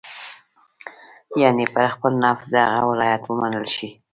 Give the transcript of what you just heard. یعنې پر خپل نفس د هغه ولایت ومنل شي.